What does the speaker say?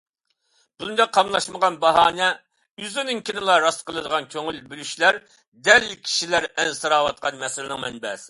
بۇنداق قاملاشمىغان باھانە، ئۆزىنىڭكىنىلا راست قىلىدىغان كۆڭۈل بۆلۈشلەر دەل كىشىلەر ئەنسىرەۋاتقان مەسىلىنىڭ مەنبەسى.